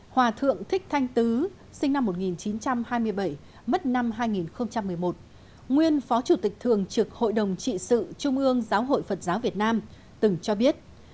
hòa thượng thích thanh tứ sinh năm một nghìn chín trăm hai mươi bảy mất năm hai nghìn một mươi một nguyên phó chủ tịch thường trực hội đồng trị sự trung ương giáo hội phật giáo việt nam từng cho biết